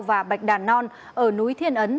và bạch đàn non ở núi thiên ấn